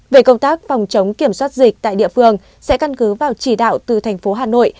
về công tác phòng chống kiểm soát dịch tại địa phương sẽ căn cứ vào chỉ đạo từ thành phố hà nội